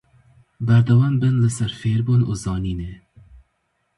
Berdewam bin li ser fêrbûn û zanînê.